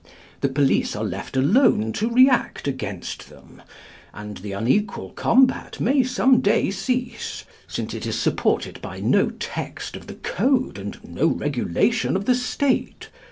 The police are left alone to react against them; and the unequal combat may some day cease, since it is supported by no text of the code and no regulation of the state.